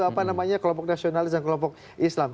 apa namanya kelompok nasionalis dan kelompok islam